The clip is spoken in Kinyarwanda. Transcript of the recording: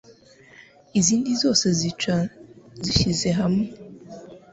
izindi zose zica zishyize hamwe.